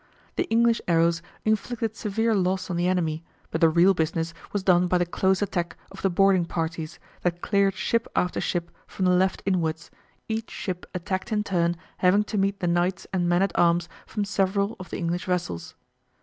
The English arrows inflicted severe loss on the enemy, but the real business was done by the close attack of the boarding parties, that cleared ship after ship from the left inwards, each ship attacked in turn having to meet the knights and men at arms from several of the English vessels.